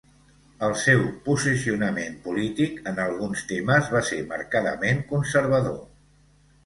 El seu posicionament polític en alguns temes va ser marcadament conservador.